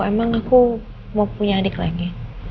emang aku mau punya adik lagi